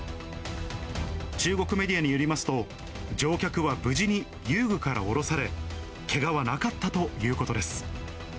中国メディアによりますと、乗客は無事に遊具から降ろされ、けがはなかったということです。